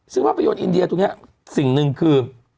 ซึ่งภาพยนตร์อินเดียตรงนี้สิ่งหนึ่งคือ